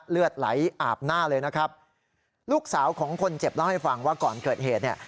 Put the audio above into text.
เลือดไหลอาบหน้าเลยนะครับลูกสาวของคนเจ็บเล่าให้ฟังว่าก่อนเกิดเหตุเนี่ย